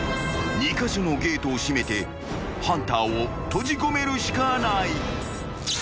２カ所のゲートを閉めてハンターを閉じ込めるしかない］